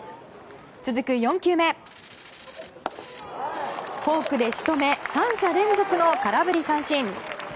続く４球目、フォークで仕留め３者連続の空振り三振。